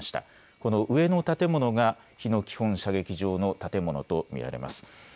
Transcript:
この上の建物が日野基本射撃場の建物と見られます。